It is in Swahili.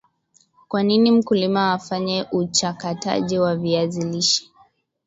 Kwanini mkulima afanye uchakataji wa viazi lishe